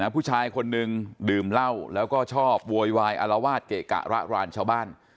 ผู้ชายคนหนึ่งดื่มเหล้าแล้วก็ชอบโวยวายอารวาสเกะกะระรานชาวบ้าน